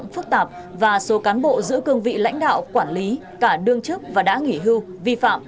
phức tạp và số cán bộ giữ cương vị lãnh đạo quản lý cả đương chức và đã nghỉ hưu vi phạm